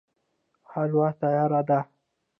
حلوا تياره ده